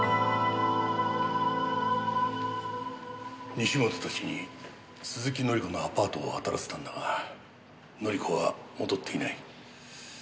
西本たちに鈴木紀子のアパートを当たらせたんだが紀子は戻っていない。